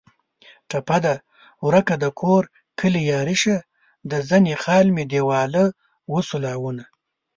ټپه ده: ورکه دکور کلي یاري شه د زنې خال مې دېواله و سولونه